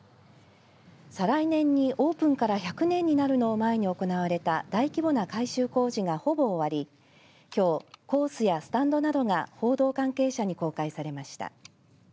再来年にオープンから１００年になるのを前に行われた大規模な改修工事がほぼ終わりきょうコースやスタンドなどが報道関係者に公開されました。